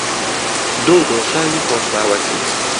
دۆ و دۆشاوی خۆشناوەتی